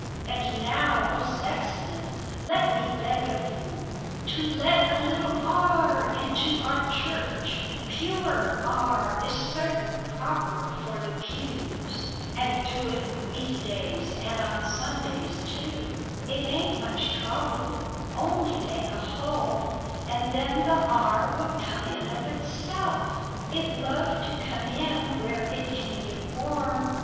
And now O Sextant? let me beg of you To let a little are into our cherch (Pewer are is sertin proper for the pews); And dew it week days and on Sundays tew It aint much trobble only make a hoal, And then the are will come in of itself (It love to come in where it can git warm).